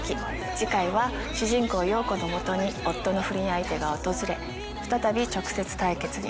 次回は主人公、陽子のもとに、夫の不倫相手が訪れ、再び直接対決に。